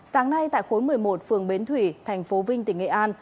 sáng nay tại khối một mươi một phường bến thủy tp vinh tỉnh nghệ an